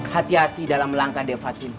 hati hati dalam langkah de fatin